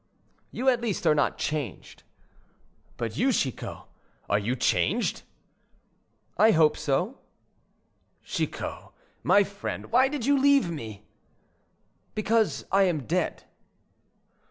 "You, at least, are not changed." "But you, Chicot, are you changed?" "I hope so." "Chicot, my friend, why did you leave me?" "Because I am dead."